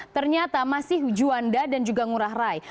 ternyata masih juanda dan juga ngurah rai